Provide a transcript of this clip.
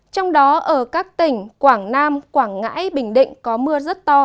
trong đó ở các tỉnh quảng nam quảng ngãi bình định có mưa rất to